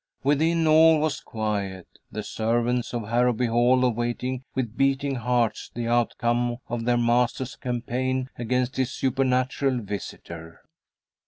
Within all was quiet, the servants of Harrowby Hall awaiting with beating hearts the outcome of their master's campaign against his supernatural visitor.